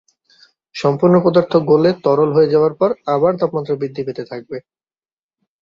সম্পূর্ণ পদার্থ গলে তরল হয়ে যাওয়ার পর আবার তাপমাত্রা বৃদ্ধি পেতে থাকবে।